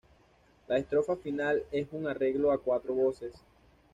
La estrofa final es un arreglo a cuatro voces.